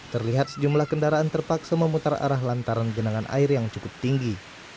terlihat sejumlah kendaraan terpaksa memutar arah lantaran genangan air yang cukup tinggi